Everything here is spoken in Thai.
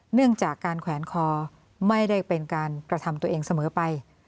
เนื่องจากการแขวนคอไม่ได้เป็นการกระทำตัวเองเสมอไป